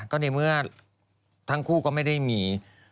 ก็ในเมื่อทั้งคู่ก็ไม่ได้มี